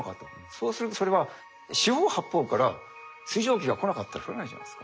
そうするとそれは四方八方から水蒸気が来なかったら降らないじゃないですか。